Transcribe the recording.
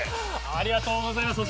ありがとうございます。